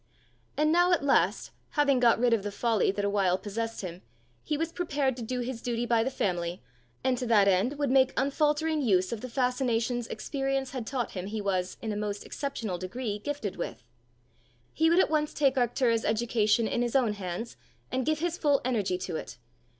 And now at last, having got rid of the folly that a while possessed him, he was prepared to do his duty by the family, and, to that end, would make unfaltering use of the fascinations experience had taught him he was, in a most exceptional degree, gifted with! He would at once take Arctura's education in his own hands, and give his full energy to it!